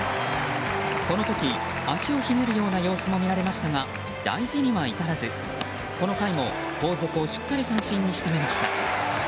この時、足をひねるような様子も見られましたが大事には至らずこの回も後続をしっかり三振に仕留めました。